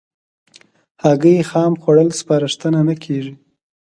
هګۍ خام خوړل سپارښتنه نه کېږي.